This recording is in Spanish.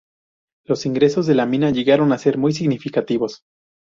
Los ingresos de la mina llegaron a ser muy significativos.